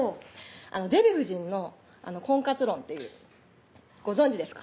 デヴィ夫人の婚活論っていうご存じです